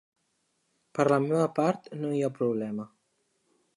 Per la meva part no hi ha problema.